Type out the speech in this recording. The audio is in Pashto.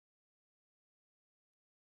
د خوړو نړیوال سازمان مرستې کوي